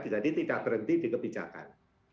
jadi tidak berhenti dikebijakan